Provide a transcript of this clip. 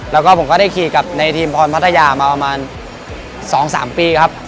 แล้วก็ผมก็ได้ขี่กับในทีมพรพัทยามาประมาณ๒๓ปีครับ